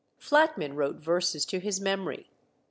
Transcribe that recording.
Flatman wrote verses to his memory.